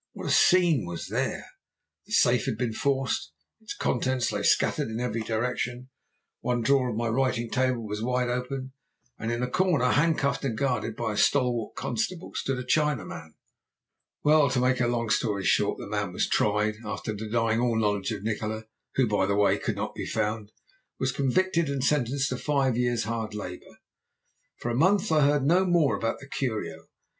What a scene was there! The safe had been forced, and its contents lay scattered in every direction. One drawer of my writing table was wide open, and in a corner, handcuffed, and guarded by a stalwart constable, stood a Chinaman. "Well, to make a long story short, the man was tried, and after denying all knowledge of Nikola who, by the way, could not be found was convicted, and sentenced to five years' hard labour. For a month I heard no more about the curio.